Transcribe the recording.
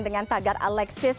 dengan tagar alexis